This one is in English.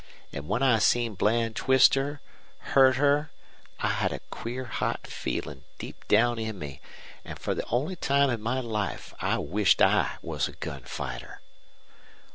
An' when I seen Bland twist her hurt her I had a queer hot feelin' deep down in me, an' fer the only time in my life I wished I was a gun fighter.